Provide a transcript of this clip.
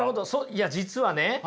いや実はね